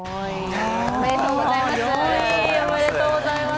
４位、おめでとうございます！